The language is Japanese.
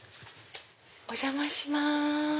お邪魔します。